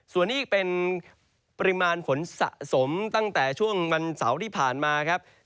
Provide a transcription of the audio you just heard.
ส่วนนี้เป็นปริมาณฝนสะสมตั้งแต่ช่วงวันเสาร์ที่ผ่านมาครับ